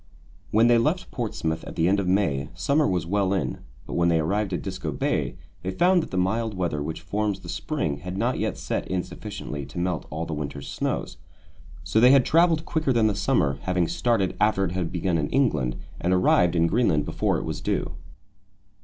When they left Portsmouth at the end of May, summer was well in; but when they arrived at Disko Bay they found that the mild weather which forms the spring had not yet set in sufficiently to melt all the winter's snows. So that they had travelled quicker than the summer, having started after it had begun in England, and arrived in Greenland before it was due.